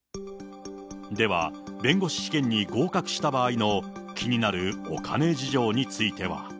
では、弁護士試験に合格した場合の、気になるお金事情については。